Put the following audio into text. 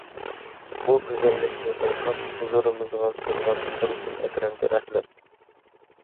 بۇ گۈزەللىكنى بايقاپ ھۇزۇرىمىزغا سۇنغان تۇرسۇن ئەكرەمگە رەھمەت!